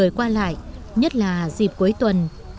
với độ cao vài trăm mét so với mực nước biển